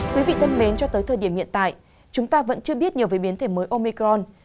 thưa quý vị cho tới thời điểm hiện tại chúng ta vẫn chưa biết nhiều về biến thể mới omicron